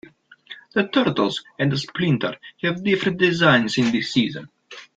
The Turtles and Splinter have different designs in this season.